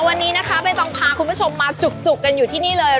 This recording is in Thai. วันนี้นะคะใบตองพาคุณผู้ชมมาจุกกันอยู่ที่นี่เลย